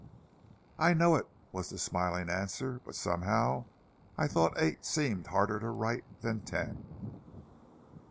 "I know it," was the smiling answer—"but somehow I thought eight seemed harder to write than ten!"